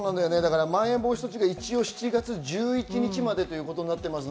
まん延防止措置が７月１１日までとなっています。